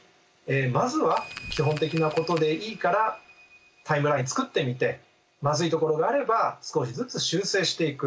まずは基本的なことでいいからタイムライン作ってみてまずいところがあれば少しずつ修正していく。